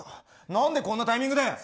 なんでこのタイミングで！